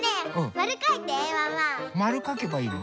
まるかけばいいの？